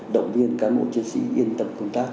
động viên cán bộ chiến sĩ yên tâm công tác